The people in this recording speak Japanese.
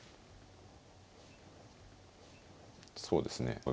そうですね